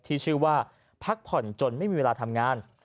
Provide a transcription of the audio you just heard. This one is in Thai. ที่ชื่อว่าพักผ่อนจนไม่มีเวลาทำงาน